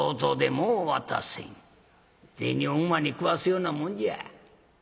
銭を馬に食わすようなもんじゃ。